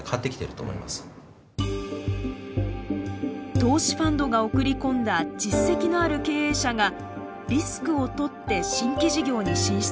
投資ファンドが送り込んだ実績のある経営者がリスクをとって新規事業に進出。